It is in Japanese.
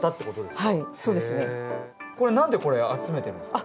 これ何でこれ集めてるんですか？